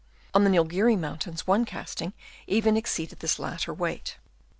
On the Nilgiri moun tains one casting even exceeded this latter weight.